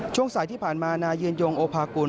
ช่วงสายที่ผ่านมานายยืนยงโอภากุล